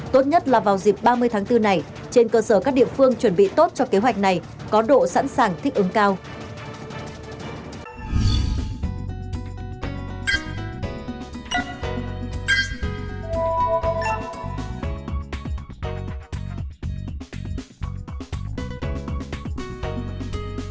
tốt nhất là vào dịp ba mươi tháng bốn này trên cơ sở các địa phương chuẩn bị tốt cho kế hoạch này có độ sẵn sàng thích ứng cao